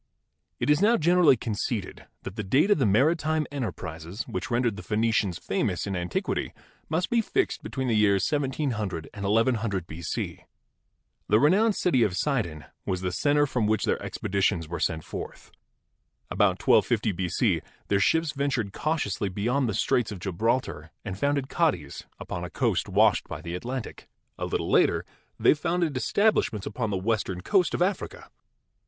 It is now generally conceded that the date of the mari^ time enterprises which rendered the Phenicians famous in antiquity must be fixed between the years 1700 and 1100 B.C. The renowned city of Sidon was the center from which their expeditions were sent forth. About 1250 B.C. their ships ventured cautiously beyond the Straits of Gibraltar and founded Cadiz upon a coast washed by the Atlantic. A little later they founded establishments upon the western coast of Africa.